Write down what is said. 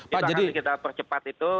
kita akan percepat itu